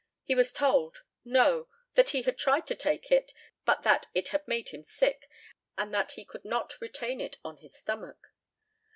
He was told, "No; that he had tried to take it, but that it had made him sick, and that he could not retain it on his stomach."